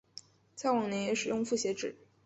在晚年也使用复写纸。